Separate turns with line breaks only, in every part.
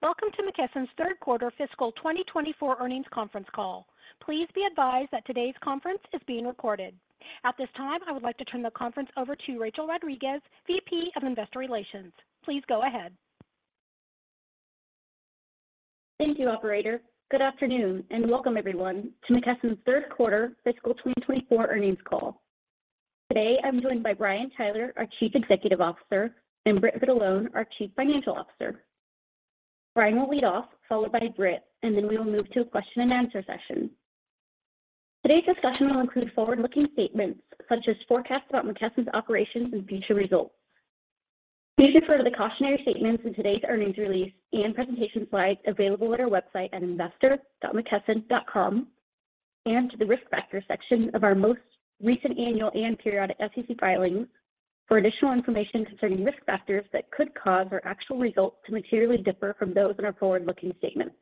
Welcome to McKesson's third quarter fiscal 2024 earnings conference call. Please be advised that today's conference is being recorded. At this time, I would like to turn the conference over to Rachel Rodriguez, VP of Investor Relations. Please go ahead.
Thank you, operator. Good afternoon, and welcome everyone to McKesson's third quarter fiscal 2024 earnings call. Today, I'm joined by Brian Tyler, our Chief Executive Officer, and Britt Vitalone, our Chief Financial Officer. Brian will lead off, followed by Britt, and then we will move to a question and answer session. Today's discussion will include forward-looking statements, such as forecasts about McKesson's operations and future results. Please refer to the cautionary statements in today's earnings release and presentation slides available at our website at investor.mckesson.com, and to the Risk Factors section of our most recent annual and periodic SEC filings for additional information concerning risk factors that could cause our actual results to materially differ from those in our forward-looking statements.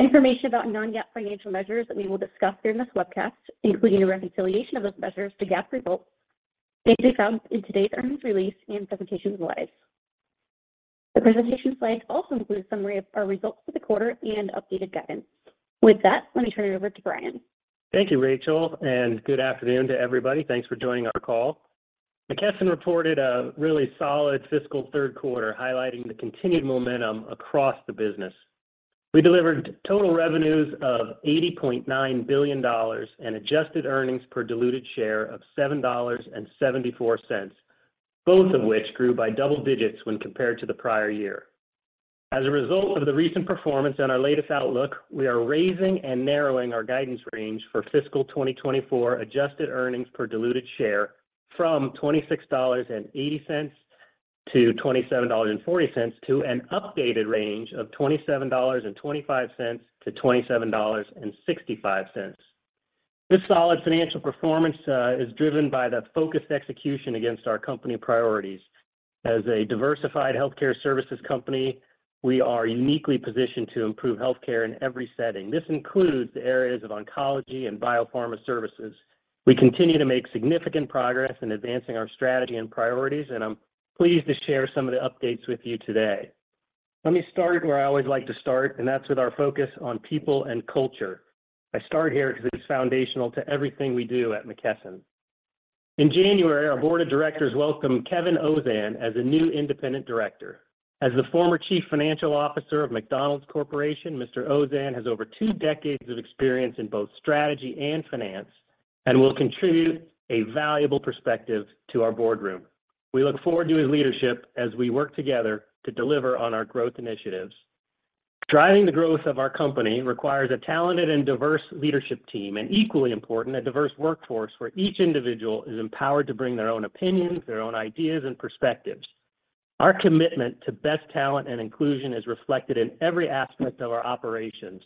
Information about non-GAAP financial measures that we will discuss during this webcast, including a reconciliation of those measures to GAAP results, may be found in today's earnings release and presentation slides. The presentation slides also include a summary of our results for the quarter and updated guidance. With that, let me turn it over to Brian.
Thank you, Rachel, and good afternoon to everybody. Thanks for joining our call. McKesson reported a really solid fiscal third quarter, highlighting the continued momentum across the business. We delivered total revenues of $80.9 billion and adjusted earnings per diluted share of $7.74, both of which grew by double digits when compared to the prior year. As a result of the recent performance and our latest outlook, we are raising and narrowing our guidance range for fiscal 2024 adjusted earnings per diluted share from $26.80-$27.40, to an updated range of $27.25-$27.65. This solid financial performance is driven by the focused execution against our company priorities. As a diversified healthcare services company, we are uniquely positioned to improve healthcare in every setting. This includes the areas of Oncology and Biopharma services. We continue to make significant progress in advancing our strategy and priorities, and I'm pleased to share some of the updates with you today. Let me start where I always like to start, and that's with our focus on people and culture. I start here because it's foundational to everything we do at McKesson. In January, our board of directors welcomed Kevin Ozan as a new Independent Director. As the former Chief Financial Officer of McDonald's Corporation, Mr. Ozan has over two decades of experience in both strategy and finance, and will contribute a valuable perspective to our boardroom. We look forward to his leadership as we work together to deliver on our growth initiatives. Driving the growth of our company requires a talented and diverse leadership team, and equally important, a diverse workforce where each individual is empowered to bring their own opinions, their own ideas, and perspectives. Our commitment to best talent and inclusion is reflected in every aspect of our operations.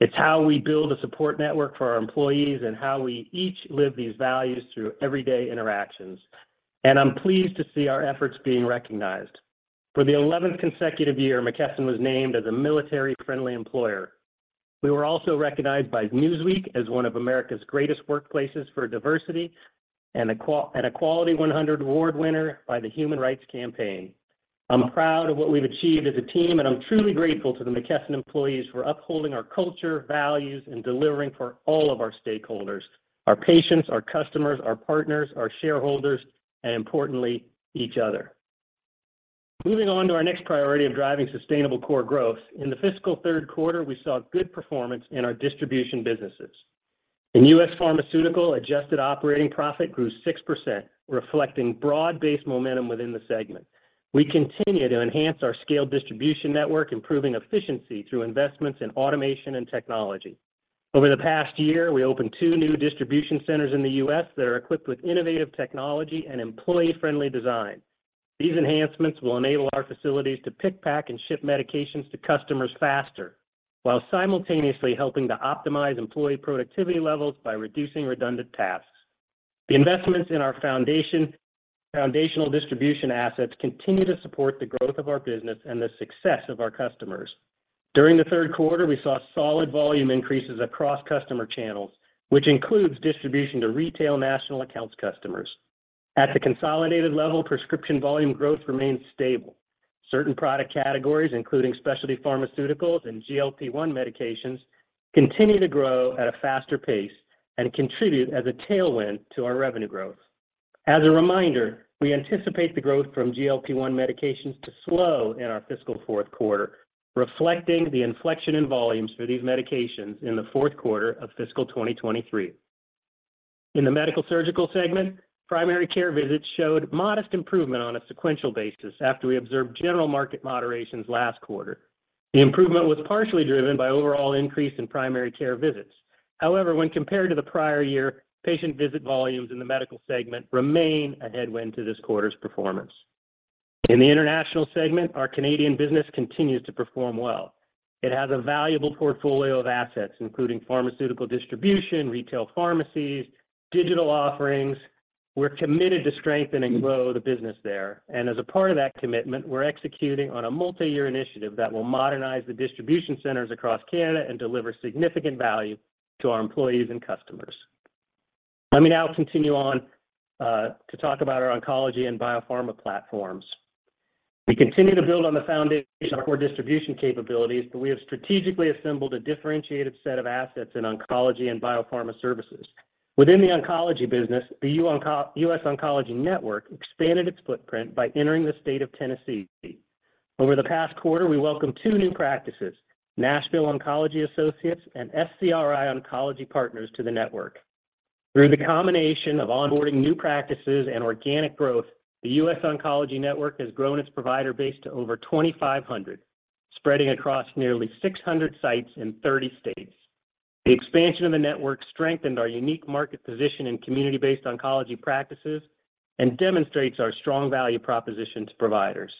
It's how we build a support network for our employees and how we each live these values through everyday interactions, and I'm pleased to see our efforts being recognized. For the 11th consecutive year, McKesson was named as a military-friendly employer. We were also recognized by Newsweek as one of America's Greatest Workplaces for Diversity and Equality 100 Award winner by the Human Rights Campaign. I'm proud of what we've achieved as a team, and I'm truly grateful to the McKesson employees for upholding our culture, values, and delivering for all of our stakeholders, our patients, our customers, our partners, our shareholders, and importantly, each other. Moving on to our next priority of driving sustainable core growth. In the fiscal third quarter, we saw good performance in our distribution businesses. In U.S. pharmaceutical, adjusted operating profit grew 6%, reflecting broad-based momentum within the segment. We continue to enhance our scaled distribution network, improving efficiency through investments in automation and technology. Over the past year, we opened two new distribution centers in the U.S. that are equipped with innovative technology and employee-friendly design. These enhancements will enable our facilities to pick, pack, and ship medications to customers faster, while simultaneously helping to optimize employee productivity levels by reducing redundant tasks. The investments in our foundational distribution assets continue to support the growth of our business and the success of our customers. During the third quarter, we saw solid volume increases across customer channels, which includes distribution to retail national accounts customers. At the consolidated level, prescription volume growth remains stable. Certain product categories, including specialty pharmaceuticals and GLP-1 medications, continue to grow at a faster pace and contribute as a tailwind to our revenue growth. As a reminder, we anticipate the growth from GLP-1 medications to slow in our fiscal fourth quarter, reflecting the inflection in volumes for these medications in the fourth quarter of fiscal 2023. In the medical surgical segment, primary care visits showed modest improvement on a sequential basis after we observed general market moderations last quarter. The improvement was partially driven by overall increase in primary care visits. However, when compared to the prior year, patient visit volumes in the medical segment remain a headwind to this quarter's performance. In the international segment, our Canadian business continues to perform well. It has a valuable portfolio of assets, including pharmaceutical distribution, retail pharmacies, digital offerings. We're committed to strengthen and grow the business there, and as a part of that commitment, we're executing on a multi-year initiative that will modernize the distribution centers across Canada and deliver significant value to our employees and customers.... Let me now continue on to talk about our Oncology and Biopharma platforms. We continue to build on the foundation of our distribution capabilities, but we have strategically assembled a differentiated set of assets in Oncology and Biopharma services. Within the Oncology business, the US Oncology Network expanded its footprint by entering the state of Tennessee. Over the past quarter, we welcomed two new practices, Nashville Oncology Associates and SCRI Oncology Partners, to the network. Through the combination of onboarding new practices and organic growth, the US Oncology Network has grown its provider base to over 2,500, spreading across nearly 600 sites in 30 states. The expansion of the network strengthened our unique market position in community-based oncology practices and demonstrates our strong value proposition to providers.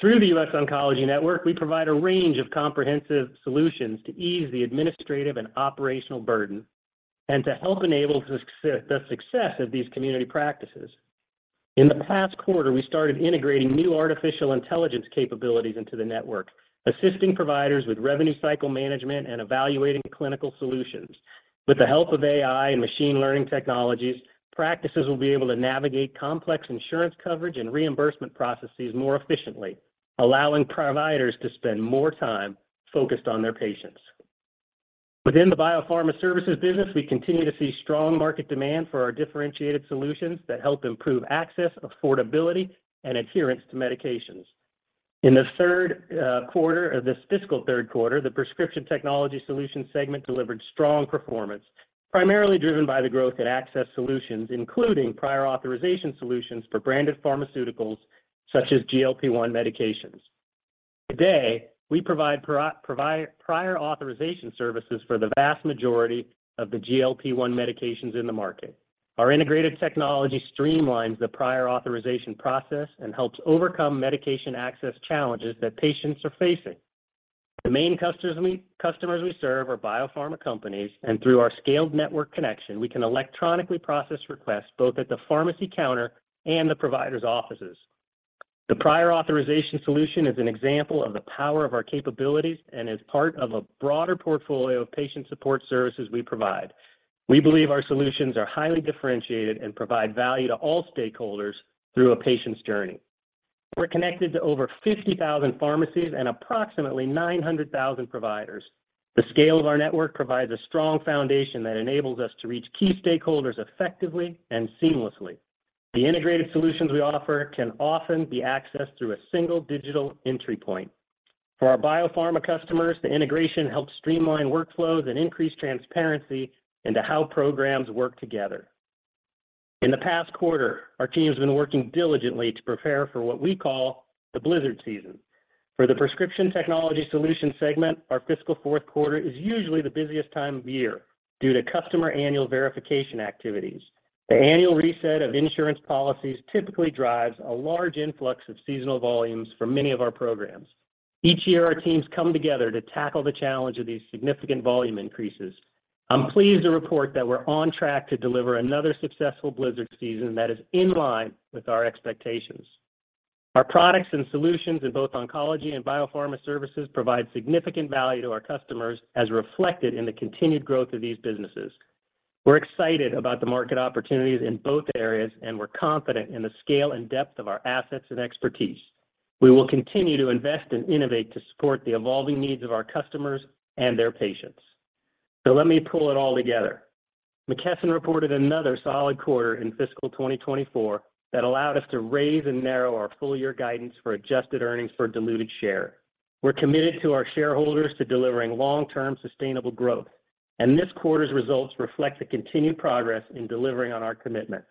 Through the US Oncology Network, we provide a range of comprehensive solutions to ease the administrative and operational burden and to help enable the success of these community practices. In the past quarter, we started integrating new artificial intelligence capabilities into the network, assisting providers with revenue cycle management and evaluating clinical solutions. With the help of AI and machine learning technologies, practices will be able to navigate complex insurance coverage and reimbursement processes more efficiently, allowing providers to spend more time focused on their patients. Within the biopharma services business, we continue to see strong market demand for our differentiated solutions that help improve access, affordability, and adherence to medications. In the third quarter, or this fiscal third quarter, the Prescription Technology Solutions segment delivered strong performance, primarily driven by the growth in access solutions, including prior authorization solutions for branded pharmaceuticals, such as GLP-1 medications. Today, we provide prior authorization services for the vast majority of the GLP-1 medications in the market. Our integrated technology streamlines the prior authorization process and helps overcome medication access challenges that patients are facing. The main customers we serve are biopharma companies, and through our scaled network connection, we can electronically process requests both at the pharmacy counter and the provider's offices. The prior authorization solution is an example of the power of our capabilities and is part of a broader portfolio of patient support services we provide. We believe our solutions are highly differentiated and provide value to all stakeholders through a patient's journey. We're connected to over 50,000 pharmacies and approximately 900,000 providers. The scale of our network provides a strong foundation that enables us to reach key stakeholders effectively and seamlessly. The integrated solutions we offer can often be accessed through a single digital entry point. For our biopharma customers, the integration helps streamline workflows and increase transparency into how programs work together. In the past quarter, our team has been working diligently to prepare for what we call "the blizzard season". For the prescription technology solution segment, our fiscal fourth quarter is usually the busiest time of year due to customer annual verification activities. The annual reset of insurance policies typically drives a large influx of seasonal volumes for many of our programs. Each year, our teams come together to tackle the challenge of these significant volume increases. I'm pleased to report that we're on track to deliver another successful blizzard season that is in line with our expectations. Our products and solutions in both Oncology and Biopharma services provide significant value to our customers, as reflected in the continued growth of these businesses. We're excited about the market opportunities in both areas, and we're confident in the scale and depth of our assets and expertise. We will continue to invest and innovate to support the evolving needs of our customers and their patients. So let me pull it all together. McKesson reported another solid quarter in fiscal 2024 that allowed us to raise and narrow our full-year guidance for adjusted earnings per diluted share. We're committed to our shareholders to delivering long-term sustainable growth, and this quarter's results reflect the continued progress in delivering on our commitment.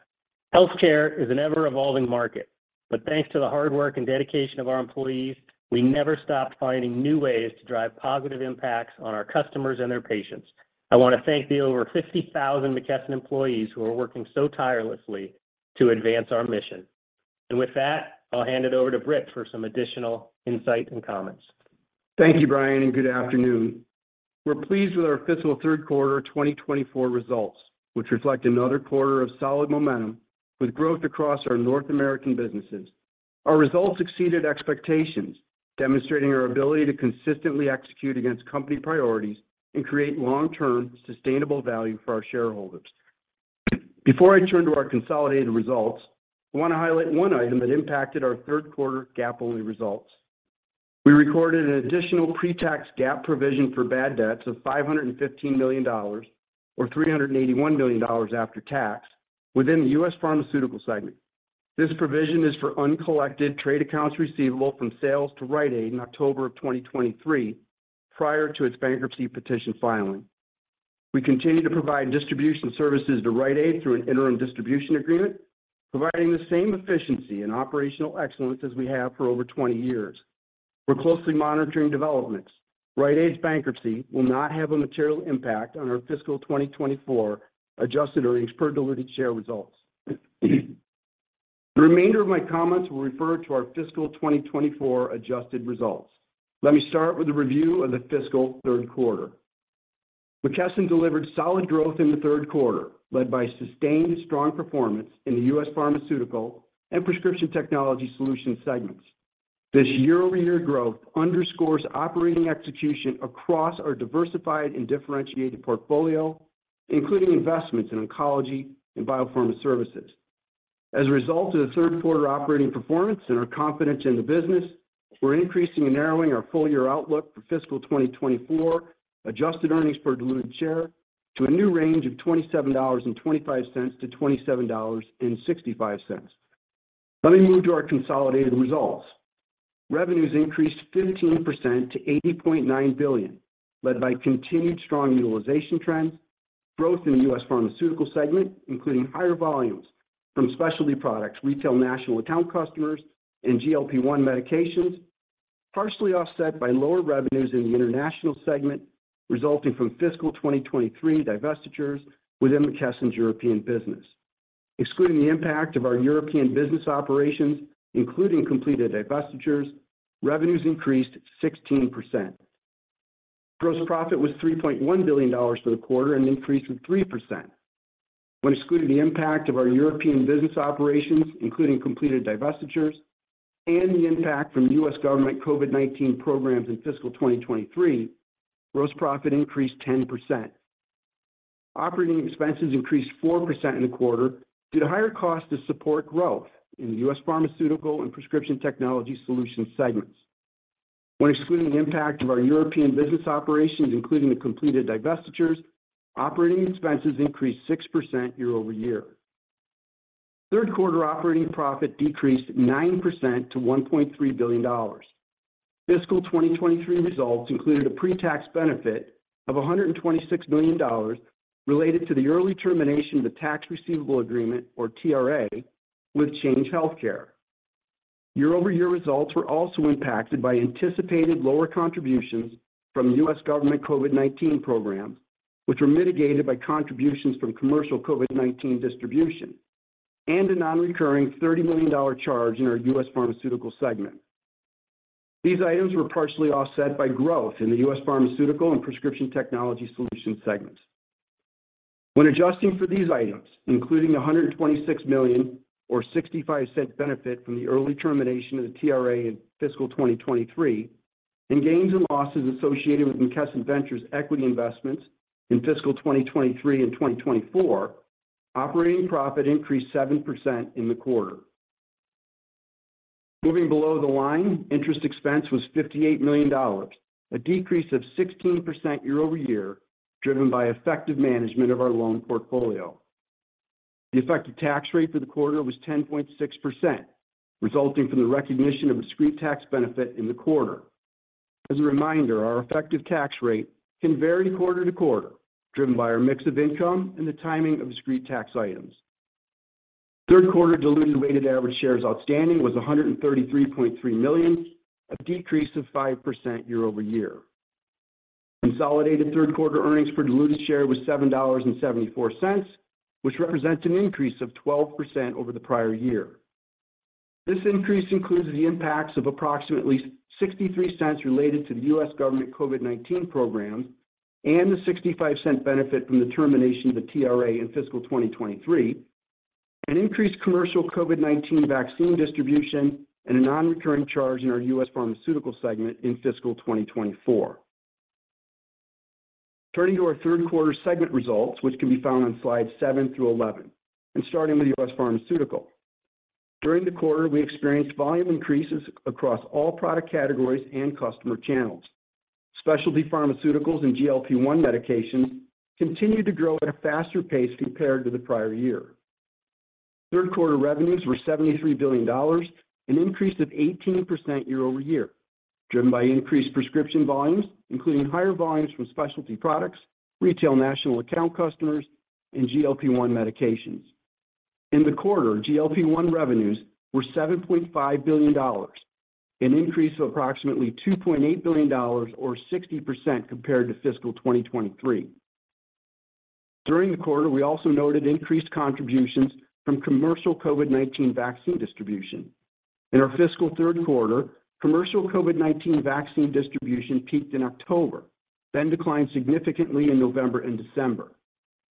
Healthcare is an ever-evolving market, but thanks to the hard work and dedication of our employees, we never stop finding new ways to drive positive impacts on our customers and their patients. I want to thank the over 50,000 McKesson employees who are working so tirelessly to advance our mission. With that, I'll hand it over to Britt for some additional insight and comments.
Thank you, Brian, and good afternoon. We're pleased with our fiscal third quarter 2024 results, which reflect another quarter of solid momentum with growth across our North American businesses. Our results exceeded expectations, demonstrating our ability to consistently execute against company priorities and create long-term, sustainable value for our shareholders. Before I turn to our consolidated results, I want to highlight one item that impacted our third quarter GAAP-only results. We recorded an additional pre-tax GAAP provision for bad debts of $515 million, or $381 million after tax, within the U.S. Pharmaceutical segment. This provision is for uncollected trade accounts receivable from sales to Rite Aid in October of 2023, prior to its bankruptcy petition filing. We continue to provide distribution services to Rite Aid through an interim distribution agreement, providing the same efficiency and operational excellence as we have for over 20 years. We're closely monitoring developments. Rite Aid's bankruptcy will not have a material impact on our fiscal 2024 Adjusted earnings per diluted share results. The remainder of my comments will refer to our fiscal 2024 adjusted results. Let me start with a review of the fiscal third quarter. McKesson delivered solid growth in the third quarter, led by sustained strong performance in the U.S. Pharmaceutical and Prescription Technology solutions segments.... This year-over-year growth underscores operating execution across our diversified and differentiated portfolio, including investments in Oncology and Biopharma services. As a result of the third quarter operating performance and our confidence in the business, we're increasing and narrowing our full year outlook for fiscal 2024, adjusted earnings per diluted share to a new range of $27.25-$27.65. Let me move to our consolidated results. Revenues increased 15% to $80.9 billion, led by continued strong utilization trends, growth in the U.S. Pharmaceutical segment, including higher volumes from specialty products, retail national account customers, and GLP-1 medications, partially offset by lower revenues in the international segment, resulting from fiscal 2023 divestitures within the McKesson European business. Excluding the impact of our European business operations, including completed divestitures, revenues increased 16%. Gross profit was $3.1 billion for the quarter, an increase of 3%. When excluding the impact of our European business operations, including completed divestitures and the impact from U.S. government COVID-19 programs in fiscal 2023, gross profit increased 10%. Operating expenses increased 4% in the quarter due to higher costs to support growth in the U.S. Pharmaceutical and Prescription Technology Solutions segments. When excluding the impact of our European business operations, including the completed divestitures, operating expenses increased 6% year-over-year. Third quarter operating profit decreased 9% to $1.3 billion. Fiscal 2023 results included a pre-tax benefit of $126 million related to the early termination of the tax receivable agreement, or TRA, with Change Healthcare. Year-over-year results were also impacted by anticipated lower contributions from U.S. government COVID-19 programs, which were mitigated by contributions from commercial COVID-19 distribution and a non-recurring $30 million charge in our U.S. Pharmaceutical segment. These items were partially offset by growth in the U.S. Pharmaceutical and Prescription Technology Solution segments. When adjusting for these items, including the $126 million or $0.65 benefit from the early termination of the TRA in fiscal 2023, and gains and losses associated with McKesson Ventures' equity investments in fiscal 2023 and 2024, operating profit increased 7% in the quarter. Moving below the line, interest expense was $58 million, a decrease of 16% year-over-year, driven by effective management of our loan portfolio. The effective tax rate for the quarter was 10.6%, resulting from the recognition of a discrete tax benefit in the quarter. As a reminder, our effective tax rate can vary quarter to quarter, driven by our mix of income and the timing of discrete tax items. Third quarter diluted weighted average shares outstanding was 133.3 million, a decrease of 5% year-over-year. Consolidated third quarter earnings per diluted share was $7.74, which represents an increase of 12% over the prior year. This increase includes the impacts of approximately $0.63 related to the U.S. government COVID-19 program and the $0.65 benefit from the termination of the TRA in fiscal 2023, an increased commercial COVID-19 vaccine distribution, and a non-recurring charge in our U.S. Pharmaceutical segment in fiscal 2024. Turning to our third quarter segment results, which can be found on slides 7 through 11 and starting with the U.S. Pharmaceutical. During the quarter, we experienced volume increases across all product categories and customer channels. Specialty pharmaceuticals and GLP-1 medications continued to grow at a faster pace compared to the prior year. Third quarter revenues were $73 billion, an increase of 18% year-over-year, driven by increased prescription volumes, including higher volumes from specialty products, retail national account customers, and GLP-1 medications. In the quarter, GLP-1 revenues were $7.5 billion, an increase of approximately $2.8 billion or 60% compared to fiscal 2023. During the quarter, we also noted increased contributions from commercial COVID-19 vaccine distribution. In our fiscal third quarter, commercial COVID-19 vaccine distribution peaked in October, then declined significantly in November and December.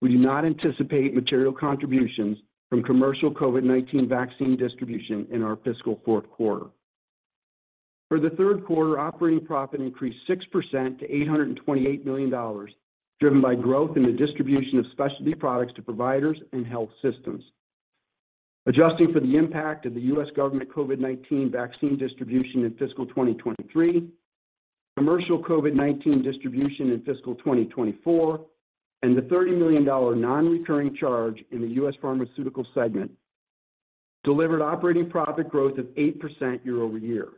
We do not anticipate material contributions from commercial COVID-19 vaccine distribution in our fiscal fourth quarter. For the third quarter, operating profit increased 6% to $828 million, driven by growth in the distribution of specialty products to providers and health systems. Adjusting for the impact of the U.S. government COVID-19 vaccine distribution in fiscal 2023, commercial COVID-19 distribution in fiscal 2024, and the $30 million non-recurring charge in the U.S. Pharmaceutical segment, delivered operating profit growth of 8% year-over-year.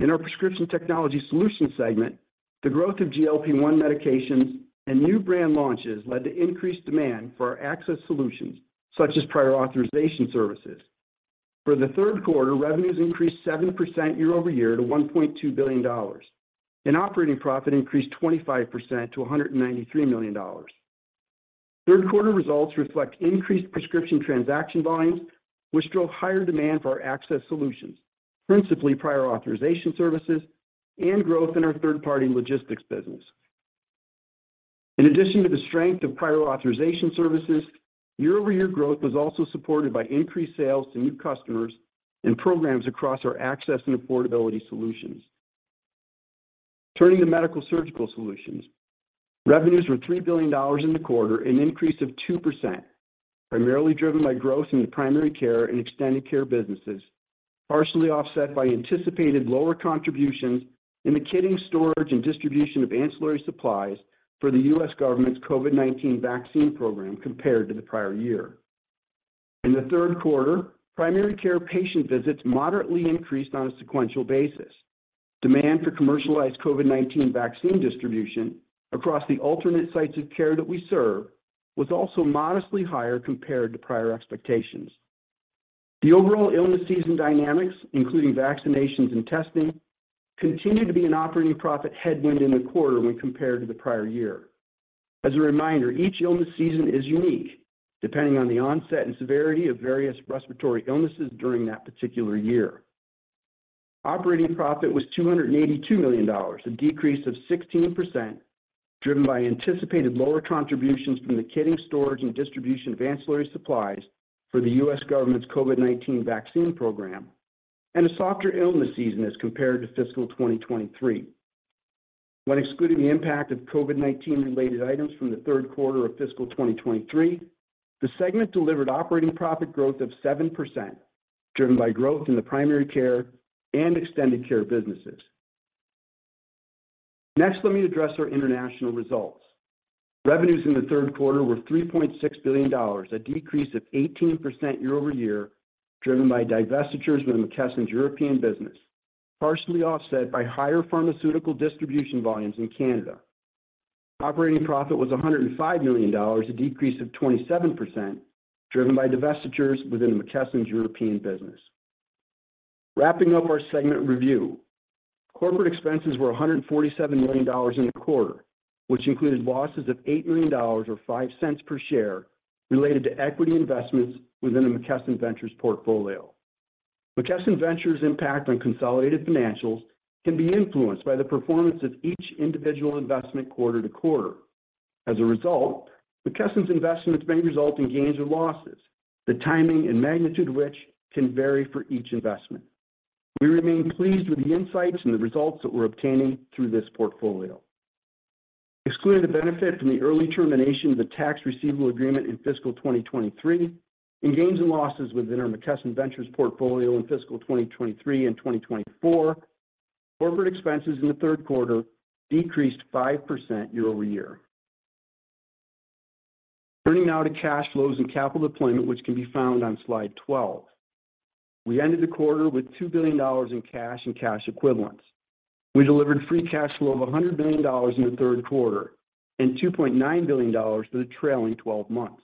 In our Prescription Technology Solutions segment, the growth of GLP-1 medications and new brand launches led to increased demand for our access solutions, such as prior authorization services. For the third quarter, revenues increased 7% year-over-year to $1.2 billion, and operating profit increased 25% to $193 million. Third quarter results reflect increased prescription transaction volumes, which drove higher demand for our access solutions, principally prior authorization services and growth in our third-party logistics business. In addition to the strength of prior authorization services, year-over-year growth was also supported by increased sales to new customers and programs across our access and affordability solutions. Turning to Medical-Surgical Solutions, revenues were $3 billion in the quarter, an increase of 2%, primarily driven by growth in the primary care and extended care businesses, partially offset by anticipated lower contributions in the kitting, storage, and distribution of ancillary supplies for the U.S. government's COVID-19 vaccine program compared to the prior year. In the third quarter, primary care patient visits moderately increased on a sequential basis. Demand for commercialized COVID-19 vaccine distribution across the alternate sites of care that we serve was also modestly higher compared to prior expectations. The overall illness season dynamics, including vaccinations and testing, continued to be an operating profit headwind in the quarter when compared to the prior year. As a reminder, each illness season is unique, depending on the onset and severity of various respiratory illnesses during that particular year. Operating profit was $282 million, a decrease of 16%, driven by anticipated lower contributions from the kitting, storage, and distribution of ancillary supplies for the U.S. government's COVID-19 vaccine program, and a softer illness season as compared to fiscal 2023. When excluding the impact of COVID-19-related items from the third quarter of fiscal 2023, the segment delivered operating profit growth of 7%, driven by growth in the primary care and extended care businesses. Next, let me address our international results. Revenues in the third quarter were $3.6 billion, a decrease of 18% year-over-year, driven by divestitures within McKesson's European business, partially offset by higher pharmaceutical distribution volumes in Canada. Operating profit was $105 million, a decrease of 27%, driven by divestitures within the McKesson European business. Wrapping up our segment review, corporate expenses were $147 million in the quarter, which included losses of $8 million or $0.05 per share related to equity investments within the McKesson Ventures portfolio. McKesson Ventures impact on consolidated financials can be influenced by the performance of each individual investment quarter-to-quarter. As a result, McKesson's investments may result in gains or losses, the timing and magnitude of which can vary for each investment. We remain pleased with the insights and the results that we're obtaining through this portfolio. Excluding the benefit from the early termination of the tax receivable agreement in fiscal 2023, and gains and losses within our McKesson Ventures portfolio in fiscal 2023 and 2024, corporate expenses in the third quarter decreased 5% year-over-year. Turning now to cash flows and capital deployment, which can be found on Slide 12. We ended the quarter with $2 billion in cash and cash equivalents. We delivered free cash flow of $100 billion in the third quarter and $2.9 billion for the trailing 12 months.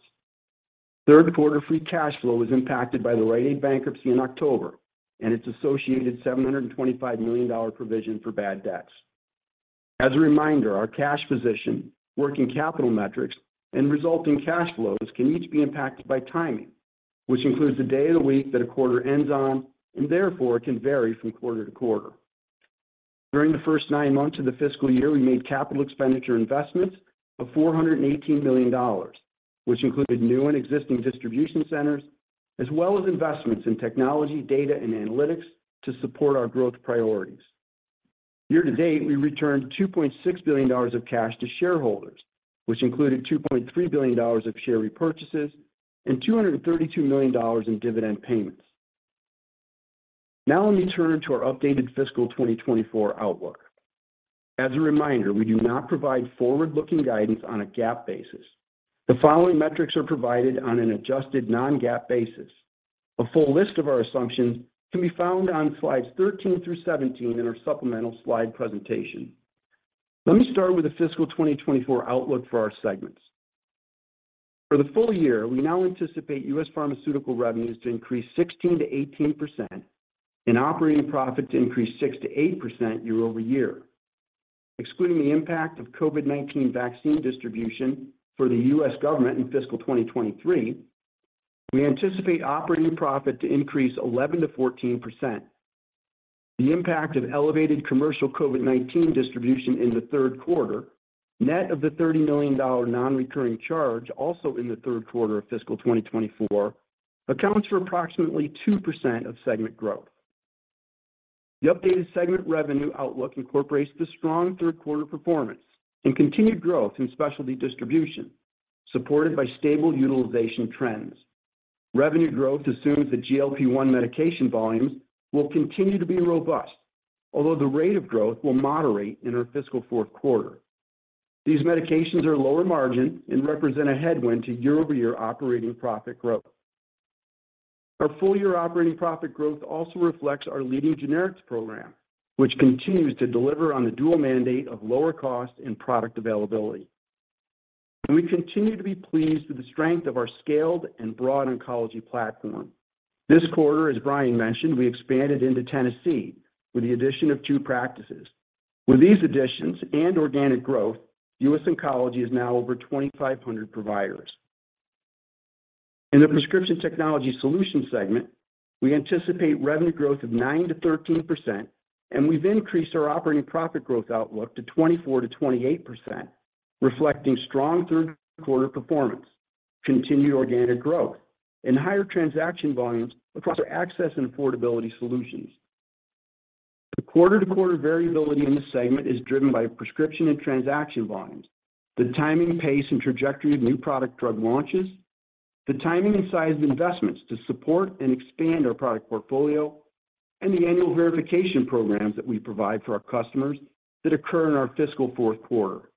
Third quarter free cash flow was impacted by the Rite Aid bankruptcy in October and its associated $725 million provision for bad debts. As a reminder, our cash position, working capital metrics, and resulting cash flows can each be impacted by timing, which includes the day of the week that a quarter ends on and therefore can vary from quarter to quarter. During the first nine months of the fiscal year, we made capital expenditure investments of $418 million, which included new and existing distribution centers, as well as investments in technology, data, and analytics to support our growth priorities. Year to date, we returned $2.6 billion of cash to shareholders, which included $2.3 billion of share repurchases and $232 million in dividend payments. Now, let me turn to our updated fiscal 2024 outlook. As a reminder, we do not provide forward-looking guidance on a GAAP basis. The following metrics are provided on an adjusted non-GAAP basis. A full list of our assumptions can be found on slides 13 through 17 in our supplemental slide presentation. Let me start with the fiscal 2024 outlook for our segments. For the full year, we now anticipate U.S. Pharmaceutical revenues to increase 16%-18% and operating profit to increase 6%-8% year-over-year. Excluding the impact of COVID-19 vaccine distribution for the US government in fiscal 2023, we anticipate operating profit to increase 11%-14%. The impact of elevated commercial COVID-19 distribution in the third quarter, net of the $30 million non-recurring charge also in the third quarter of fiscal 2024, accounts for approximately 2% of segment growth. The updated segment revenue outlook incorporates the strong third quarter performance and continued growth in specialty distribution, supported by stable utilization trends. Revenue growth assumes that GLP-1 medication volumes will continue to be robust, although the rate of growth will moderate in our fiscal fourth quarter. These medications are lower margin and represent a headwind to year-over-year operating profit growth. Our full-year operating profit growth also reflects our leading generics program, which continues to deliver on the dual mandate of lower cost and product availability. We continue to be pleased with the strength of our scaled and broad oncology platform. This quarter, as Brian mentioned, we expanded into Tennessee with the addition of two practices. With these additions and organic growth, US Oncology is now over 2,500 providers.... In the Prescription Technology Solutions segment, we anticipate revenue growth of 9%-13%, and we've increased our operating profit growth outlook to 24%-28%, reflecting strong third quarter performance, continued organic growth, and higher transaction volumes across our access and affordability solutions. The quarter-to-quarter variability in this segment is driven by prescription and transaction volumes, the timing, pace, and trajectory of new product drug launches, the timing and size of investments to support and expand our product portfolio, and the annual verification programs that we provide for our customers that occur in our fiscal fourth quarter.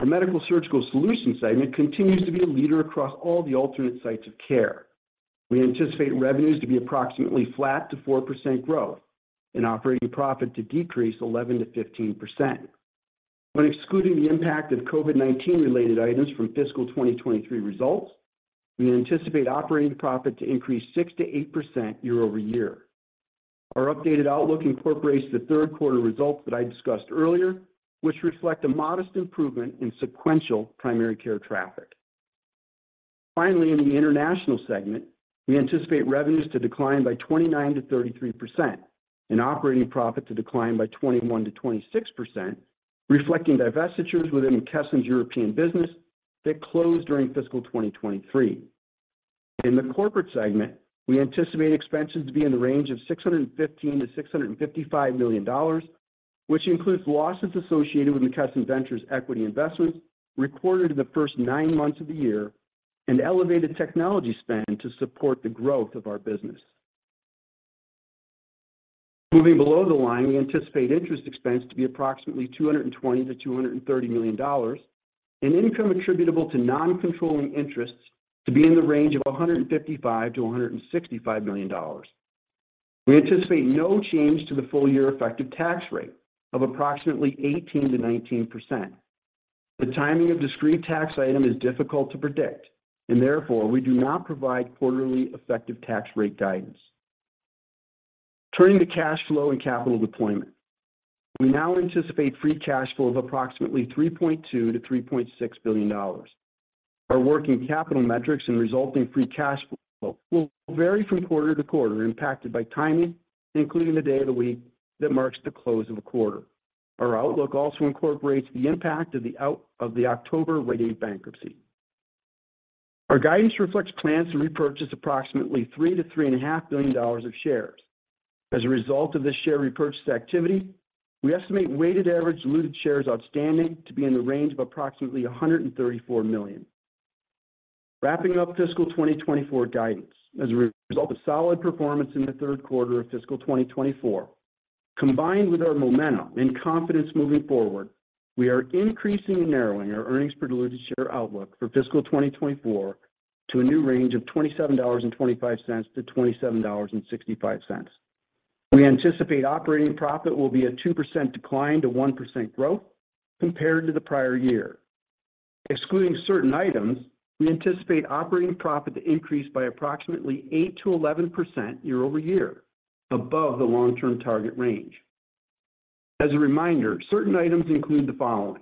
Our Medical-Surgical Solutions segment continues to be a leader across all the alternate sites of care. We anticipate revenues to be approximately flat to 4% growth, and operating profit to decrease 11%-15%. When excluding the impact of COVID-19 related items from fiscal 2023 results, we anticipate operating profit to increase 6%-8% year-over-year. Our updated outlook incorporates the third quarter results that I discussed earlier, which reflect a modest improvement in sequential primary care traffic. Finally, in the international segment, we anticipate revenues to decline by 29%-33% and operating profit to decline by 21%-26%, reflecting divestitures within McKesson's European business that closed during fiscal 2023. In the corporate segment, we anticipate expenses to be in the range of $615 million-$655 million, which includes losses associated with McKesson Ventures equity investments recorded in the first nine months of the year and elevated technology spend to support the growth of our business. Moving below the line, we anticipate interest expense to be approximately $220 million-$230 million, and income attributable to non-controlling interests to be in the range of $155 million-$165 million. We anticipate no change to the full year effective tax rate of approximately 18%-19%. The timing of discrete tax items is difficult to predict, and therefore, we do not provide quarterly effective tax rate guidance. Turning to cash flow and capital deployment. We now anticipate free cash flow of approximately $3.2 billion-$3.6 billion. Our working capital metrics and resulting free cash flow will vary from quarter to quarter, impacted by timing, including the day of the week that marks the close of a quarter. Our outlook also incorporates the impact of the October Rite Aid bankruptcy. Our guidance reflects plans to repurchase approximately $3 billion-$3.5 billion of shares. As a result of this share repurchase activity, we estimate weighted average diluted shares outstanding to be in the range of approximately 134 million. Wrapping up fiscal 2024 guidance. As a result of solid performance in the third quarter of fiscal 2024, combined with our momentum and confidence moving forward, we are increasing and narrowing our earnings per diluted share outlook for fiscal 2024 to a new range of $27.25-$27.65. We anticipate operating profit will be a 2% decline to 1% growth compared to the prior year. Excluding certain items, we anticipate operating profit to increase by approximately 8%-11% year-over-year, above the long-term target range. As a reminder, certain items include the following: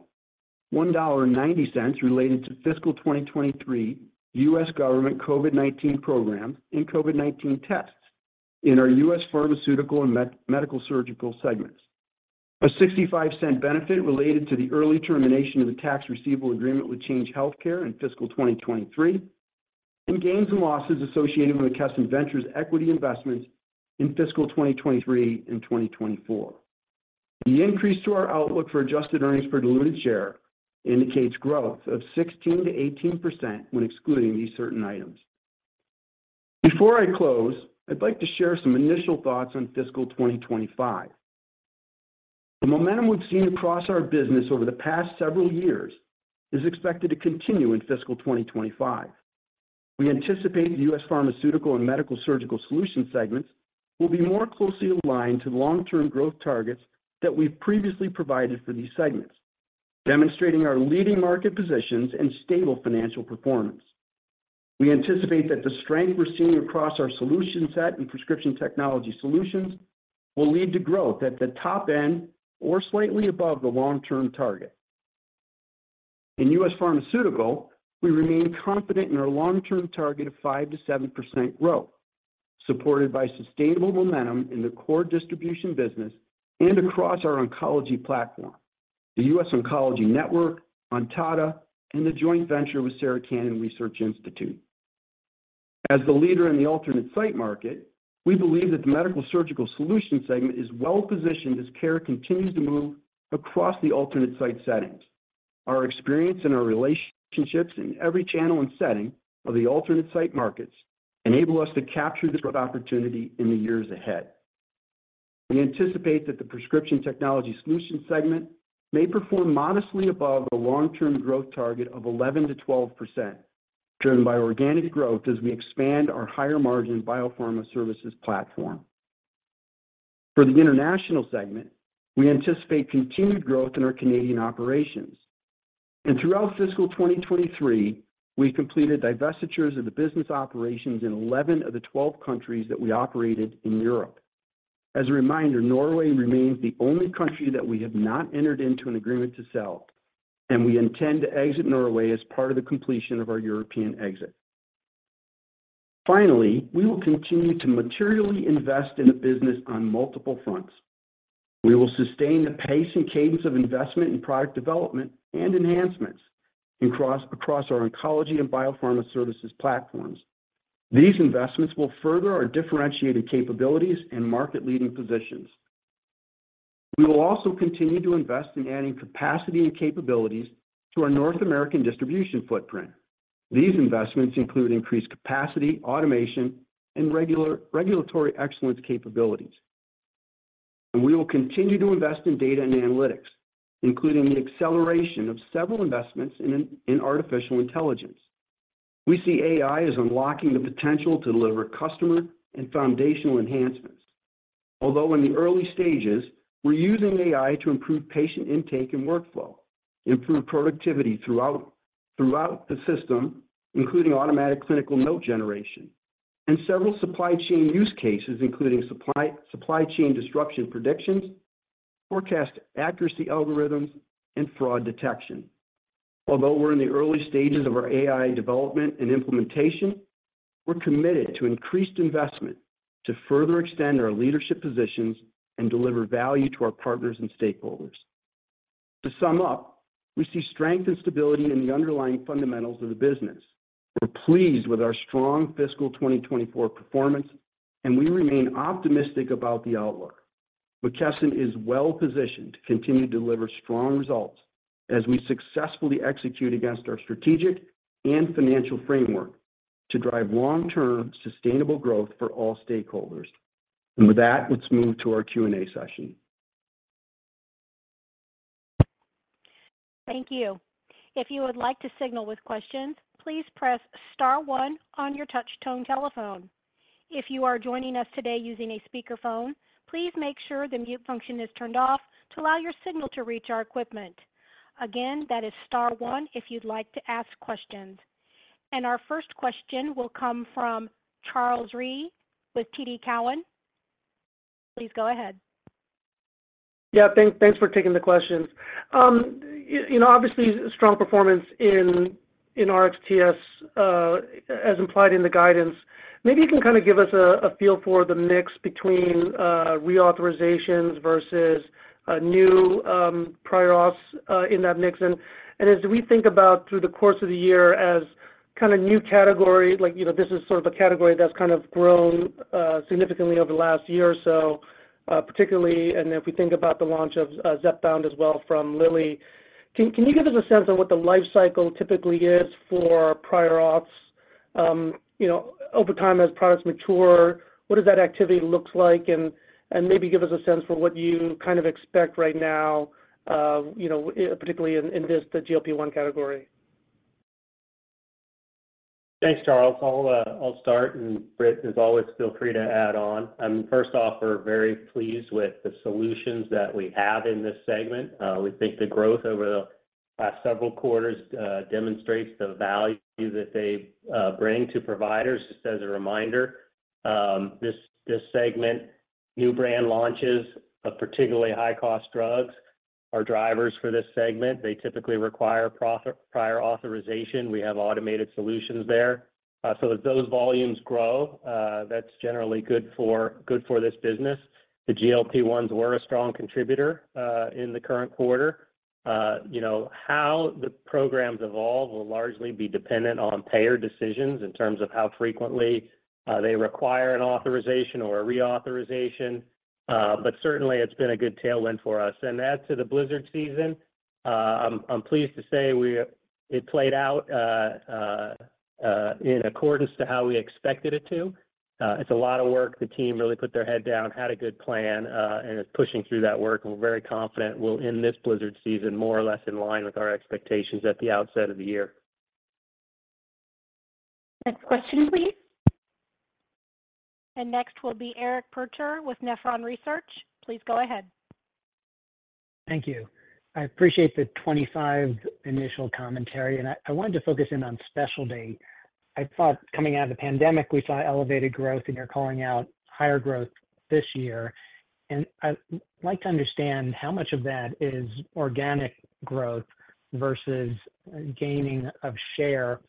$1.90 related to fiscal 2023 U.S. government COVID-19 program and COVID-19 tests in our U.S. Pharmaceutical and Medical-Surgical segments. A $0.65 benefit related to the early termination of the tax receivable agreement with Change Healthcare in fiscal 2023, and gains and losses associated with McKesson Ventures equity investments in fiscal 2023 and 2024. The increase to our outlook for adjusted earnings per diluted share indicates growth of 16%-18% when excluding these certain items. Before I close, I'd like to share some initial thoughts on fiscal 2025. The momentum we've seen across our business over the past several years is expected to continue in fiscal 2025. We anticipate the U.S. Pharmaceutical and Medical-Surgical Solution segments will be more closely aligned to the long-term growth targets that we've previously provided for these segments, demonstrating our leading market positions and stable financial performance. We anticipate that the strength we're seeing across our solution set and Prescription Technology Solutions will lead to growth at the top end or slightly above the long-term target. In U.S. Pharmaceutical, we remain confident in our long-term target of 5%-7% growth, supported by sustainable momentum in the core distribution business and across our oncology platform, the US Oncology Network, Ontada, and the joint venture with Sarah Cannon Research Institute. As the leader in the alternate site market, we believe that the medical surgical solutions segment is well-positioned as care continues to move across the alternate site settings. Our experience and our relationships in every channel and setting of the alternate site markets enable us to capture this growth opportunity in the years ahead. We anticipate that the Prescription Technology Solutions segment may perform modestly above a long-term growth target of 11%-12%, driven by organic growth as we expand our higher margin biopharma services platform. For the international segment, we anticipate continued growth in our Canadian operations, and throughout fiscal 2023, we completed divestitures of the business operations in 11 of the 12 countries that we operated in Europe.... As a reminder, Norway remains the only country that we have not entered into an agreement to sell, and we intend to exit Norway as part of the completion of our European exit. Finally, we will continue to materially invest in the business on multiple fronts. We will sustain the pace and cadence of investment in product development and enhancements across our Oncology and Biopharma services platforms. These investments will further our differentiated capabilities and market-leading positions. We will also continue to invest in adding capacity and capabilities to our North American distribution footprint. These investments include increased capacity, automation, and regulatory excellence capabilities. And we will continue to invest in data and analytics, including the acceleration of several investments in artificial intelligence. We see AI as unlocking the potential to deliver customer and foundational enhancements. Although in the early stages, we're using AI to improve patient intake and workflow, improve productivity throughout the system, including automatic clinical note generation, and several supply chain use cases, including supply chain disruption predictions, forecast accuracy algorithms, and fraud detection. Although we're in the early stages of our AI development and implementation, we're committed to increased investment to further extend our leadership positions and deliver value to our partners and stakeholders. To sum up, we see strength and stability in the underlying fundamentals of the business. We're pleased with our strong fiscal 2024 performance, and we remain optimistic about the outlook. McKesson is well positioned to continue to deliver strong results as we successfully execute against our strategic and financial framework to drive long-term, sustainable growth for all stakeholders. With that, let's move to our Q&A session.
Thank you. If you would like to signal with questions, please press star one on your touchtone telephone. If you are joining us today using a speakerphone, please make sure the mute function is turned off to allow your signal to reach our equipment. Again, that is star one if you'd like to ask questions. Our first question will come from Charles Rhyee with TD Cowen. Please go ahead.
Yeah, thanks, thanks for taking the questions. You know, obviously, strong performance in RxTS, as implied in the guidance. Maybe you can kind of give us a feel for the mix between reauthorizations versus new prior auths in that mix. And as we think about through the course of the year as kind of new category, like, you know, this is sort of a category that's kind of grown significantly over the last year or so, particularly, and if we think about the launch of Zepbound as well from Lilly, can you give us a sense of what the life cycle typically is for prior auths? You know, over time, as products mature, what does that activity looks like? Maybe give us a sense for what you kind of expect right now, you know, particularly in this, the GLP-1 category.
Thanks, Charles. I'll start, and Britt, as always, feel free to add on. First off, we're very pleased with the solutions that we have in this segment. We think the growth over the past several quarters demonstrates the value that they bring to providers. Just as a reminder, this, this segment, new brand launches of particularly high-cost drugs, are drivers for this segment. They typically require prior authorization. We have automated solutions there. So as those volumes grow, that's generally good for, good for this business. The GLP-1s were a strong contributor in the current quarter. You know, how the programs evolve will largely be dependent on payer decisions in terms of how frequently they require an authorization or a reauthorization. But certainly, it's been a good tailwind for us. To add to the blizzard season, I'm pleased to say it played out in accordance to how we expected it to. It's a lot of work. The team really put their head down, had a good plan, and is pushing through that work, and we're very confident we'll, in this blizzard season, more or less in line with our expectations at the outset of the year.
Next question, please. Next will be Eric Percher with Nephron Research. Please go ahead.
Thank you. I appreciate the 25 initial commentary, and I wanted to focus in on specialty. I thought coming out of the pandemic, we saw elevated growth, and you're calling out higher growth this year. And I'd like to understand how much of that is organic growth versus gaining of share,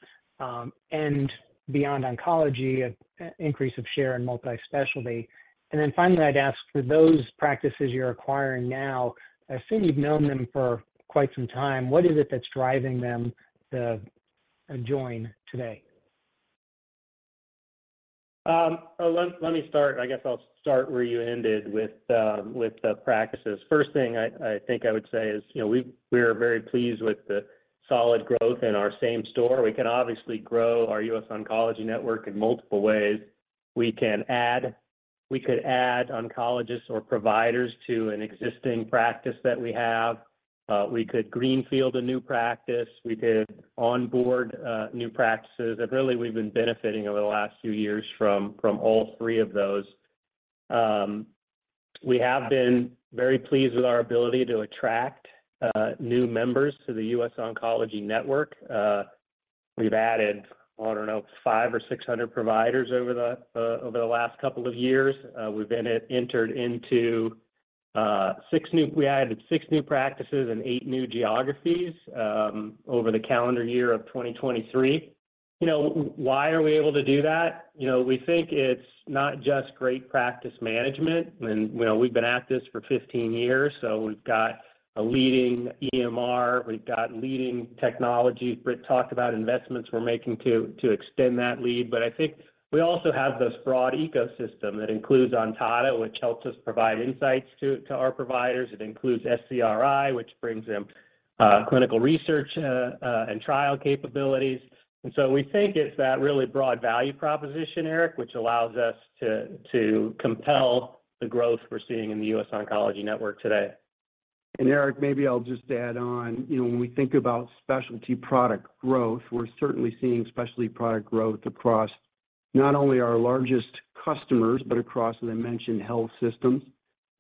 and beyond oncology, an increase of share in multi-specialty. And then finally, I'd ask for those practices you're acquiring now. I assume you've known them for quite some time. What is it that's driving them to join today?
Let me start. I guess I'll start where you ended with the practices. First thing I think I would say is, you know, we are very pleased with the solid growth in our same store. We can obviously grow our US Oncology Network in multiple ways. We can add, we could add oncologists or providers to an existing practice that we have. We could greenfield a new practice, we could onboard new practices. And really, we've been benefiting over the last few years from all three of those. We have been very pleased with our ability to attract new members to the US Oncology Network. We've added, I don't know, 500 or 600 providers over the last couple of years. We've added 6 new practices and 8 new geographies over the calendar year of 2023. You know, why are we able to do that? You know, we think it's not just great practice management. You know, we've been at this for 15 years, so we've got a leading EMR, we've got leading technology. Britt talked about investments we're making to extend that lead. But I think we also have this broad ecosystem that includes Ontada, which helps us provide insights to our providers. It includes SCRI, which brings in clinical research and trial capabilities. So we think it's that really broad value proposition, Eric, which allows us to compel the growth we're seeing in the US Oncology Network today.
And Eric, maybe I'll just add on. You know, when we think about specialty product growth, we're certainly seeing specialty product growth across not only our largest customers, but across, as I mentioned, Health systems.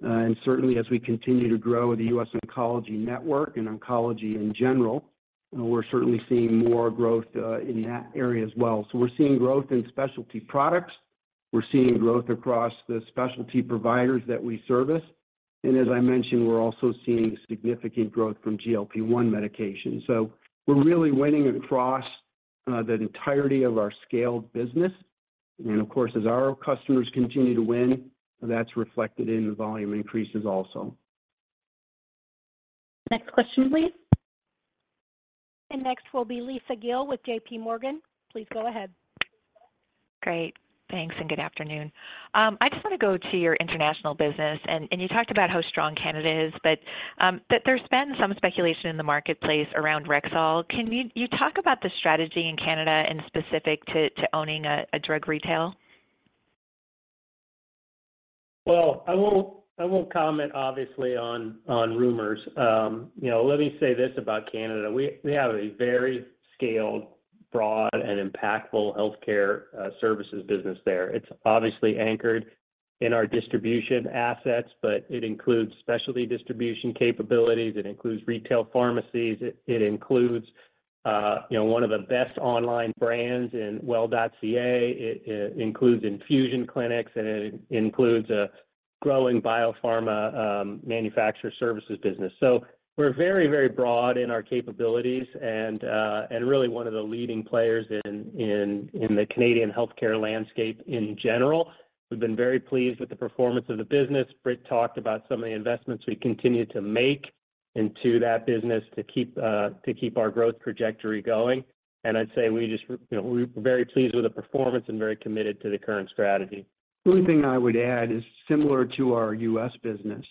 And certainly, as we continue to grow the US Oncology Network and Oncology in general, we're certainly seeing more growth in that area as well. So we're seeing growth in specialty products. We're seeing growth across the specialty providers that we service. And as I mentioned, we're also seeing significant growth from GLP-1 medications. So we're really winning across the entirety of our scaled business. And of course, as our customers continue to win, that's reflected in the volume increases also.
Next question, please.
Next will be Lisa Gill with J.P. Morgan. Please go ahead.
Great. Thanks, and good afternoon. I just want to go to your international business, and you talked about how strong Canada is, but that there's been some speculation in the marketplace around Rexall. Can you talk about the strategy in Canada and specific to owning a drug retail?
Well, I won't comment obviously on rumors. You know, let me say this about Canada: we have a very scaled, broad, and impactful healthcare services business there. It's obviously anchored in our distribution assets, but it includes specialty distribution capabilities, it includes retail pharmacies, it includes you know, one of the best online brands in Well.ca, it includes infusion clinics, and it includes a growing Biopharma manufacturer services business. So we're very broad in our capabilities and really one of the leading players in the Canadian healthcare landscape in general. We've been very pleased with the performance of the business. Britt talked about some of the investments we continue to make into that business to keep our growth trajectory going. I'd say we just, you know, we're very pleased with the performance and very committed to the current strategy.
The only thing I would add is similar to our U.S. business.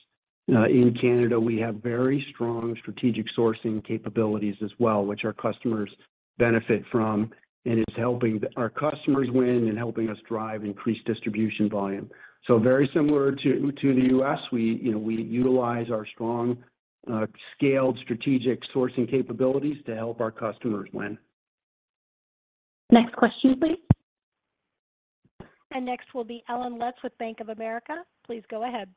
In Canada, we have very strong strategic sourcing capabilities as well, which our customers benefit from, and it's helping our customers win and helping us drive increased distribution volume. So very similar to the U.S., you know, we utilize our strong scaled strategic sourcing capabilities to help our customers win.
Next question, please.
Next will be Allen Lutz with Bank of America. Please go ahead.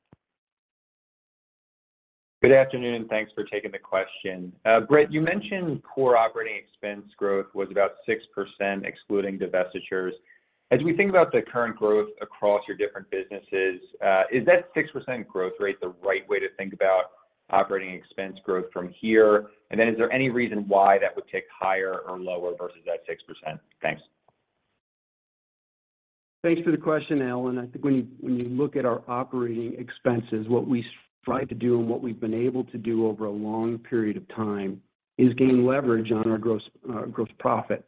Good afternoon, thanks for taking the question. Britt, you mentioned core operating expense growth was about 6%, excluding divestitures. As we think about the current growth across your different businesses, is that 6% growth rate the right way to think about operating expense growth from here? And then is there any reason why that would tick higher or lower versus that 6%? Thanks.
Thanks for the question, Allen. I think when you, when you look at our operating expenses, what we strive to do and what we've been able to do over a long period of time, is gain leverage on our gross, gross profit.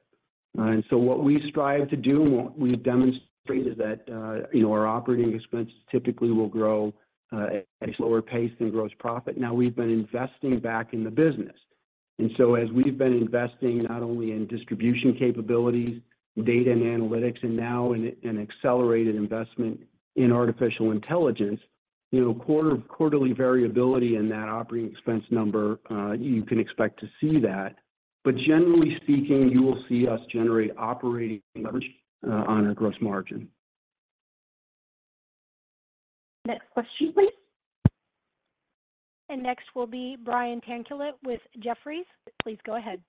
And so what we strive to do and what we've demonstrated is that, you know, our operating expenses typically will grow, at a slower pace than gross profit. Now, we've been investing back in the business, and so as we've been investing not only in distribution capabilities, data and analytics, and now in an accelerated investment in artificial intelligence, you know, quarterly variability in that operating expense number, you can expect to see that. But generally speaking, you will see us generate operating leverage, on our gross margin.
Next question, please.
Next will be Brian Tanquilut with Jefferies. Please go ahead.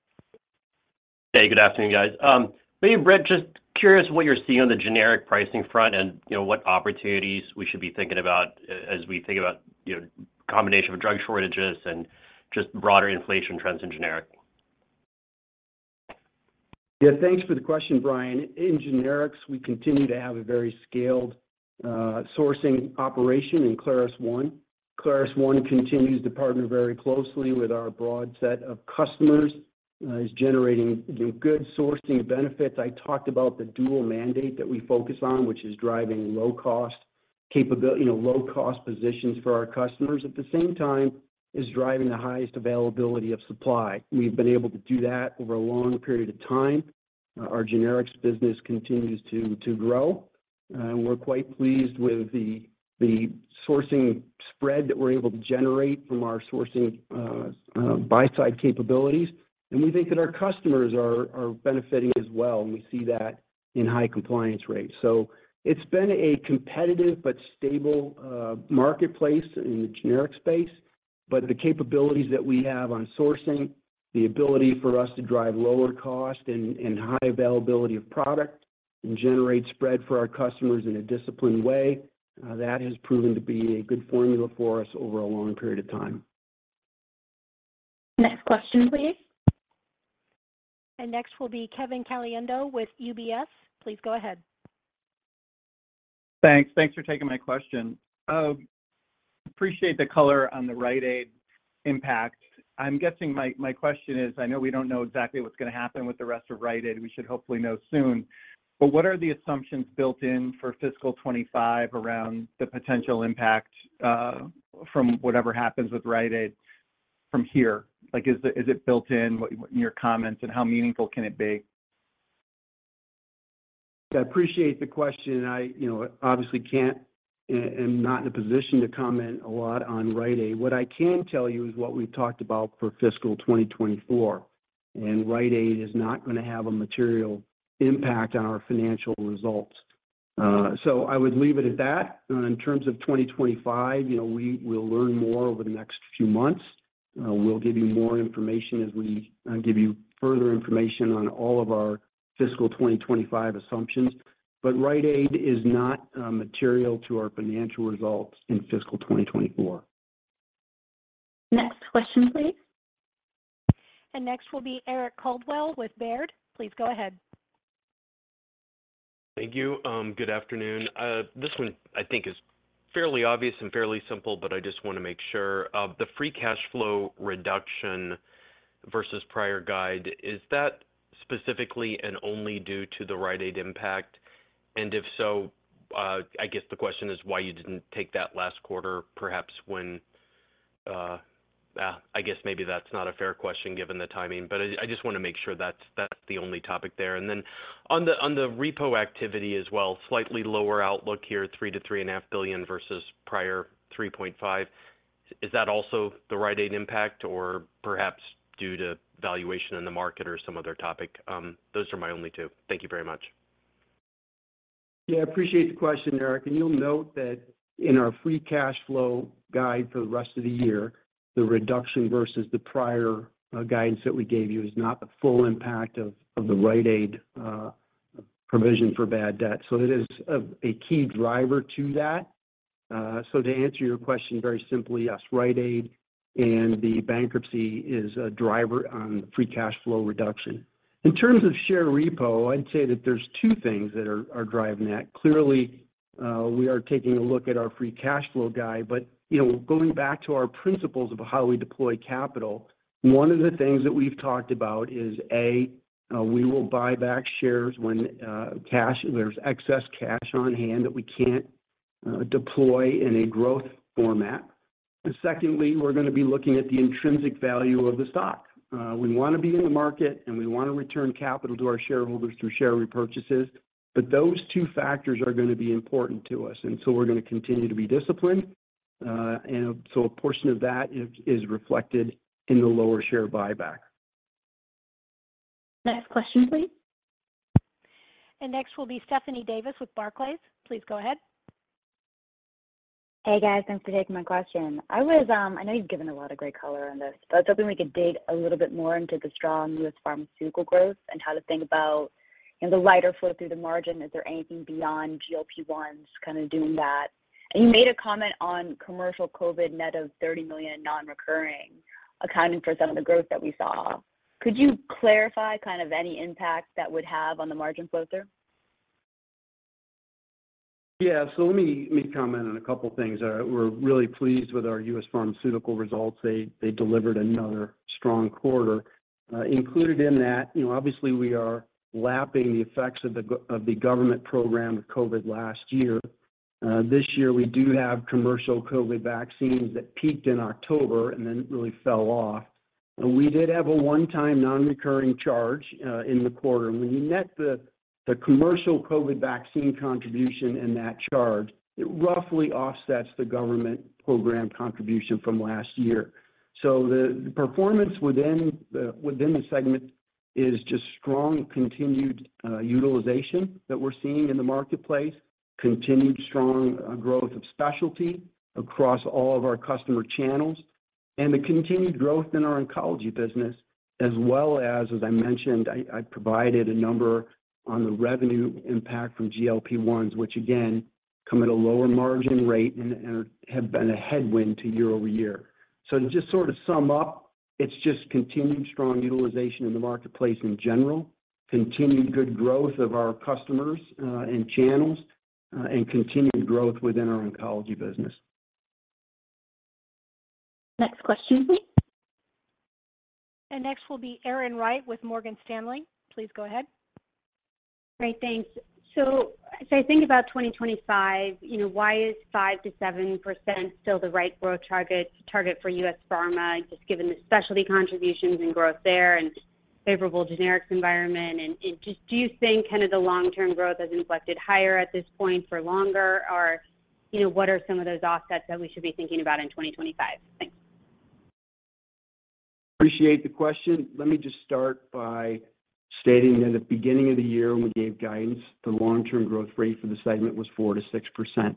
Hey, good afternoon, guys. Maybe, Britt, just curious what you're seeing on the generic pricing front and, you know, what opportunities we should be thinking about as we think about, you know, combination of drug shortages and just broader inflation trends in generic?
Yeah, thanks for the question, Brian. In generics, we continue to have a very scaled sourcing operation in ClarusOne. ClarusOne continues to partner very closely with our broad set of customers, is generating good sourcing benefits. I talked about the dual mandate that we focus on, which is driving low cost capability—you know, low cost positions for our customers. At the same time, is driving the highest availability of supply. We've been able to do that over a long period of time. Our generics business continues to grow, and we're quite pleased with the sourcing spread that we're able to generate from our sourcing buy side capabilities. And we think that our customers are benefiting as well, and we see that in high compliance rates. So it's been a competitive but stable marketplace in the generic space.... The capabilities that we have on sourcing, the ability for us to drive lower cost and high availability of product, and generate spread for our customers in a disciplined way, that has proven to be a good formula for us over a long period of time.
Next question, please.
Next will be Kevin Caliendo with UBS. Please go ahead.
Thanks. Thanks for taking my question. Appreciate the color on the Rite Aid impact. I'm guessing my, my question is, I know we don't know exactly what's gonna happen with the rest of Rite Aid. We should hopefully know soon, but what are the assumptions built in for fiscal 2025 around the potential impact from whatever happens with Rite Aid from here? Like, is it, is it built in in your comments, and how meaningful can it be?
I appreciate the question, and I, you know, obviously can't, and not in a position to comment a lot on Rite Aid. What I can tell you is what we've talked about for fiscal 2024, and Rite Aid is not gonna have a material impact on our financial results. So I would leave it at that. In terms of 2025, you know, we will learn more over the next few months. We'll give you more information as we give you further information on all of our fiscal 2025 assumptions. But Rite Aid is not material to our financial results in fiscal 2024.
Next question, please.
Next will be Eric Coldwell with Baird. Please go ahead.
Thank you. Good afternoon. This one I think is fairly obvious and fairly simple, but I just wanna make sure. The free cash flow reduction versus prior guide, is that specifically and only due to the Rite Aid impact? And if so, I guess the question is why you didn't take that last quarter, perhaps when, I guess maybe that's not a fair question, given the timing, but I just wanna make sure that's the only topic there. And then on the repo activity as well, slightly lower outlook here, $3 billion-$3.5 billion versus prior $3.5 billion. Is that also the Rite Aid impact, or perhaps due to valuation in the market or some other topic? Those are my only two. Thank you very much.
Yeah, I appreciate the question, Eric, and you'll note that in our free cash flow guide for the rest of the year, the reduction versus the prior, guidance that we gave you is not the full impact of, the Rite Aid, provision for bad debt. So it is, a key driver to that. So to answer your question very simply, yes, Rite Aid and the bankruptcy is a driver on free cash flow reduction. In terms of share repo, I'd say that there's two things that are, driving that. Clearly, we are taking a look at our free cash flow guide, but, you know, going back to our principles of how we deploy capital, one of the things that we've talked about is, A, we will buy back shares when cash—there's excess cash on hand that we can't deploy in a growth format. And secondly, we're gonna be looking at the intrinsic value of the stock. We wanna be in the market, and we wanna return capital to our shareholders through share repurchases, but those two factors are gonna be important to us, and so we're gonna continue to be disciplined. And so a portion of that is reflected in the lower share buyback.
Next question, please.
Next will be Stephanie Davis with Barclays. Please go ahead.
Hey, guys. Thanks for taking my question. I was. I know you've given a lot of great color on this, but I was hoping we could dig a little bit more into the strong U.S. Pharmaceutical growth and how to think about, you know, the lighter flow through the margin. Is there anything beyond GLP-1s kind of doing that? And you made a comment on commercial COVID net of $30 million non-recurring, accounting for some of the growth that we saw. Could you clarify kind of any impact that would have on the margin flow through?
Yeah. So let me comment on a couple of things. We're really pleased with our U.S. Pharmaceutical results. They delivered another strong quarter. Included in that, you know, obviously, we are lapping the effects of the government program of COVID last year. This year, we do have commercial COVID vaccines that peaked in October and then really fell off. And we did have a one-time non-recurring charge in the quarter. When you net the commercial COVID vaccine contribution and that charge, it roughly offsets the government program contribution from last year. So the performance within the segment is just strong continued utilization that we're seeing in the marketplace, continued strong growth of specialty across all of our customer channels, and the continued growth in our Oncology business, as well as, as I mentioned, I provided a number on the revenue impact from GLP-1, which again, come at a lower margin rate and have been a headwind to year-over-year. So to just sort of sum up, it's just continued strong utilization in the marketplace in general, continued good growth of our customers and channels, and continued growth within our Oncology business.
Next question, please.
Next will be Erin Wright with Morgan Stanley. Please go ahead.
Great. Thanks. So as I think about 2025, you know, why is 5%-7% still the right growth target, target for U.S. pharma, just given the specialty contributions and growth there and favorable generics environment? And just do you think kind of the long-term growth has inflected higher at this point for longer? Or, you know, what are some of those offsets that we should be thinking about in 2025? Thanks....
Appreciate the question. Let me just start by stating that at the beginning of the year, when we gave guidance, the long-term growth rate for the segment was 4%-6%.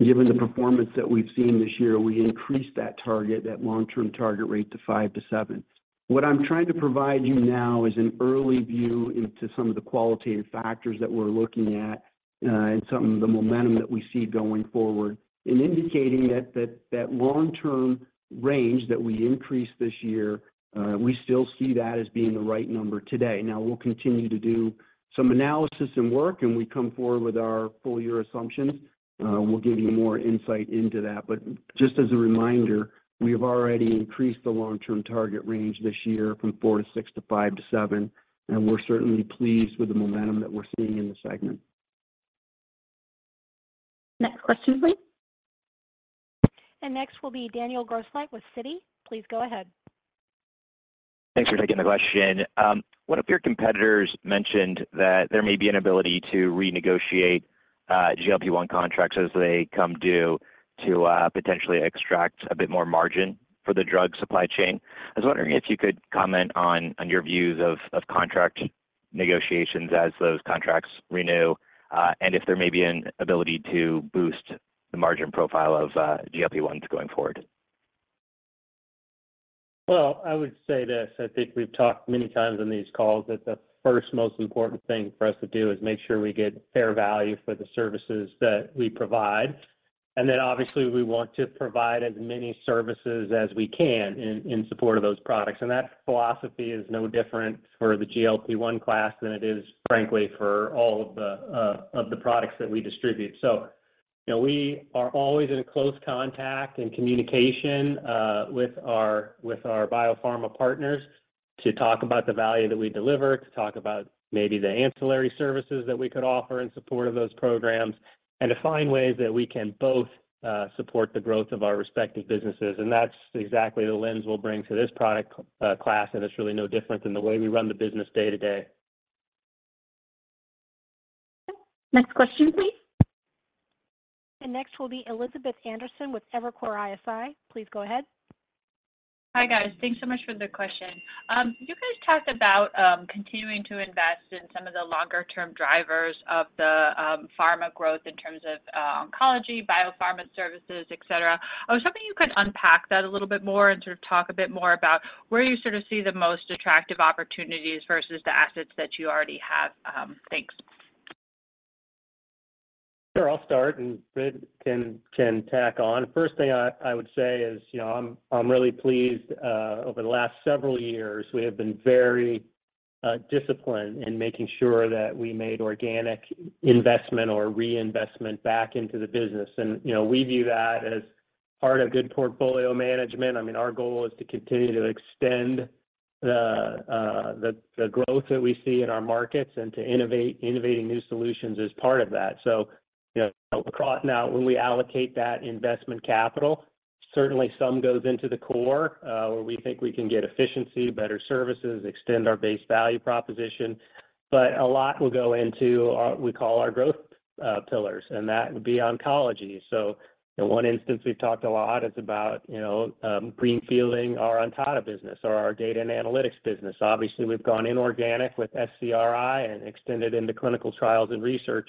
Given the performance that we've seen this year, we increased that target, that long-term target rate, to 5%-7%. What I'm trying to provide you now is an early view into some of the qualitative factors that we're looking at, and some of the momentum that we see going forward, and indicating that long-term range that we increased this year, we still see that as being the right number today. Now, we'll continue to do some analysis and work, and when we come forward with our full year assumptions, we'll give you more insight into that. Just as a reminder, we have already increased the long-term target range this year from 4-6 to 5-7, and we're certainly pleased with the momentum that we're seeing in the segment.
Next question, please.
Next will be Daniel Grosslight with Citi. Please go ahead.
Thanks for taking the question. One of your competitors mentioned that there may be an ability to renegotiate GLP-1 contracts as they come due to potentially extract a bit more margin for the drug supply chain. I was wondering if you could comment on your views of contract negotiations as those contracts renew, and if there may be an ability to boost the margin profile of GLP-1s going forward.
Well, I would say this, I think we've talked many times on these calls, that the first most important thing for us to do is make sure we get fair value for the services that we provide. And then, obviously, we want to provide as many services as we can in support of those products. And that philosophy is no different for the GLP-1 class than it is, frankly, for all of the of the products that we distribute. So, you know, we are always in close contact and communication with our with our biopharma partners to talk about the value that we deliver, to talk about maybe the ancillary services that we could offer in support of those programs, and to find ways that we can both support the growth of our respective businesses. That's exactly the lens we'll bring to this product class, and it's really no different than the way we run the business day to day.
Next question, please.
Next will be Elizabeth Anderson with Evercore ISI. Please go ahead.
Hi, guys. Thanks so much for the question. You guys talked about continuing to invest in some of the longer-term drivers of the pharma growth in terms of Oncology, Biopharma services, et cetera. I was hoping you could unpack that a little bit more and sort of talk a bit more about where you sort of see the most attractive opportunities versus the assets that you already have. Thanks.
Sure, I'll start, and Britt can tack on. First thing I would say is, you know, I'm really pleased over the last several years, we have been very disciplined in making sure that we made organic investment or reinvestment back into the business. You know, we view that as part of good portfolio management. I mean, our goal is to continue to extend the growth that we see in our markets and to innovating new solutions as part of that. You know, across... Now, when we allocate that investment capital, certainly some goes into the core, where we think we can get efficiency, better services, extend our base value proposition, but a lot will go into our, we call our growth pillars, and that would be Oncology. So in one instance, we've talked a lot about, you know, greenfielding our Ontada business or our Data and Analytics business. Obviously, we've gone inorganic with SCRI and extended into clinical trials and research.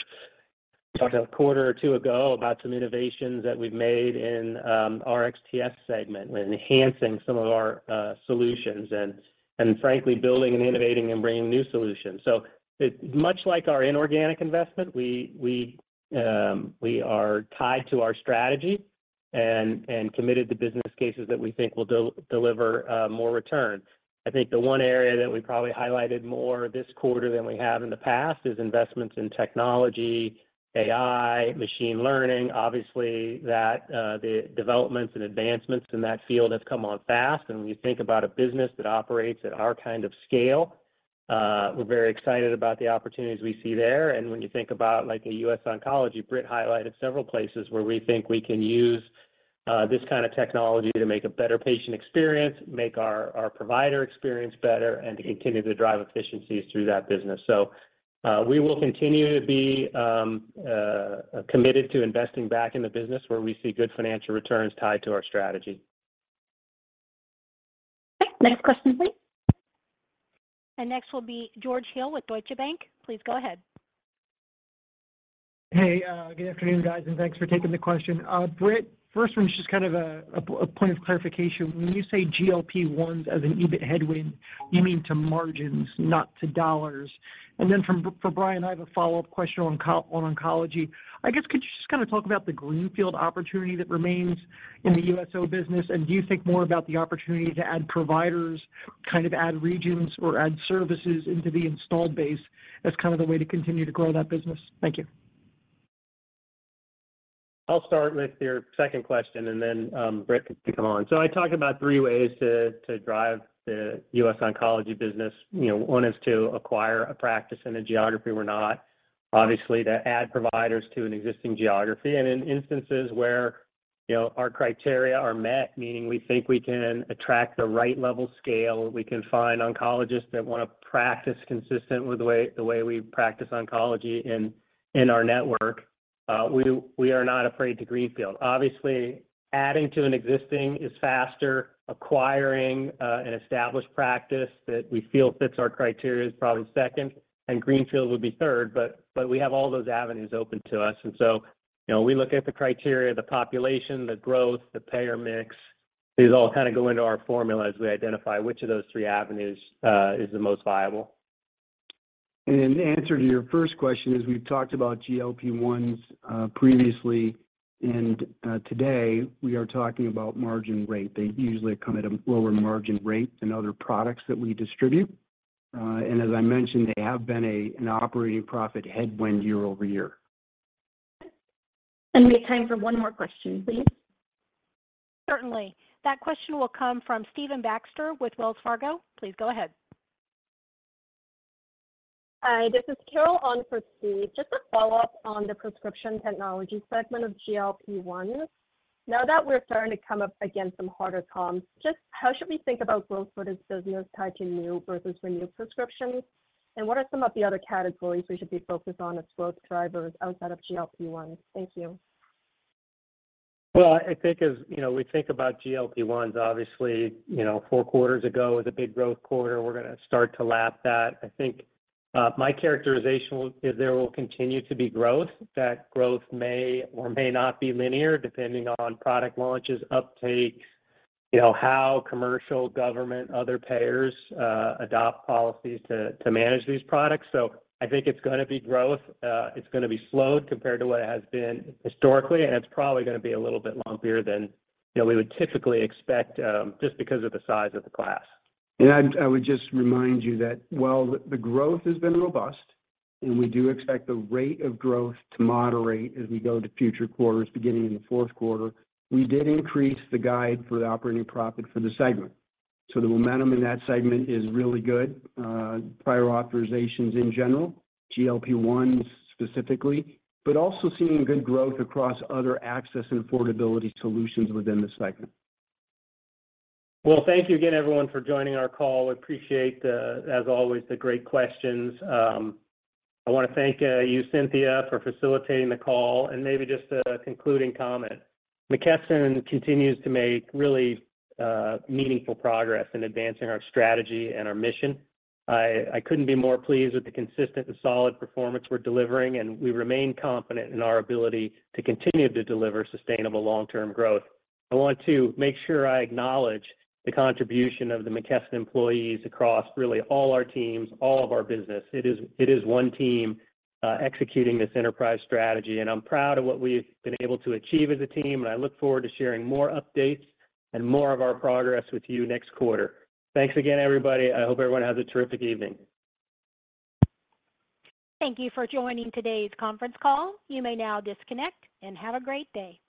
Talked a quarter or 2 ago about some innovations that we've made in our RxTS segment, enhancing some of our solutions and frankly, building and innovating and bringing new solutions. So it's much like our inorganic investment. We are tied to our strategy and committed to business cases that we think will deliver more return. I think the one area that we probably highlighted more this quarter than we have in the past is investments in technology, AI, machine learning. Obviously, that the developments and advancements in that field have come on fast, and we think about a business that operates at our kind of scale. We're very excited about the opportunities we see there. And when you think about, like, a US Oncology, Britt highlighted several places where we think we can use this kind of technology to make a better patient experience, make our provider experience better, and to continue to drive efficiencies through that business. So, we will continue to be committed to investing back in the business where we see good financial returns tied to our strategy.
Okay, next question, please.
Next will be George Hill with Deutsche Bank. Please go ahead.
Hey, good afternoon, guys, and thanks for taking the question. Britt, first one is just kind of a point of clarification. When you say GLP-1s as an EBIT headwind, you mean to margins, not to dollars? And then for Brian, I have a follow-up question on oncology. I guess could you just kind of talk about the greenfield opportunity that remains in the USO business, and do you think more about the opportunity to add providers, kind of add regions or add services into the installed base as kind of the way to continue to grow that business? Thank you.
I'll start with your second question, and then Britt can come on. So I talked about three ways to drive the US Oncology business. You know, one is to acquire a practice in a geography we're not, obviously, to add providers to an existing geography. And in instances where, you know, our criteria are met, meaning we think we can attract the right level scale, we can find oncologists that want to practice consistent with the way we practice oncology in our network. We are not afraid to greenfield. Obviously, adding to an existing is faster. Acquiring an established practice that we feel fits our criteria is probably second, and greenfield would be third. But we have all those avenues open to us, and so, you know, we look at the criteria, the population, the growth, the payer mix. These all kind of go into our formula as we identify which of those three avenues is the most viable.
The answer to your first question is, we've talked about GLP-1s previously, and today, we are talking about margin rate. They usually come at a lower margin rate than other products that we distribute. And as I mentioned, they have been an operating profit headwind year-over-year.
We have time for one more question, please.
Certainly. That question will come from Stephen Baxter with Wells Fargo. Please go ahead.
Hi, this is Carol Ahn for Steve. Just a follow-up on the prescription technology segment of GLP-1. Now that we're starting to come up against some harder comps, just how should we think about growth for this business tied to new versus renewed prescriptions? And what are some of the other categories we should be focused on as growth drivers outside of GLP-1? Thank you.
Well, I think as, you know, we think about GLP-1s, obviously, you know, four quarters ago was a big growth quarter, and we're going to start to lap that. I think, my characterization is there will continue to be growth. That growth may or may not be linear, depending on product launches, uptake, you know, how commercial, government, other payers, adopt policies to manage these products. So I think it's going to be growth. It's going to be slowed compared to what it has been historically, and it's probably going to be a little bit lumpier than, you know, we would typically expect, just because of the size of the class.
I would just remind you that while the growth has been robust, and we do expect the rate of growth to moderate as we go to future quarters, beginning in the fourth quarter, we did increase the guide for the operating profit for the segment. So the momentum in that segment is really good. Prior authorizations in general, GLP-1s specifically, but also seeing good growth across other access and affordability solutions within the segment.
Well, thank you again, everyone, for joining our call. We appreciate, as always, the great questions. I want to thank you, Cynthia, for facilitating the call and maybe just a concluding comment. McKesson continues to make really meaningful progress in advancing our strategy and our mission. I couldn't be more pleased with the consistent and solid performance we're delivering, and we remain confident in our ability to continue to deliver sustainable long-term growth. I want to make sure I acknowledge the contribution of the McKesson employees across really all our teams, all of our business. It is one team executing this enterprise strategy, and I'm proud of what we've been able to achieve as a team, and I look forward to sharing more updates and more of our progress with you next quarter. Thanks again, everybody. I hope everyone has a terrific evening.
Thank you for joining today's conference call. You may now disconnect and have a great day.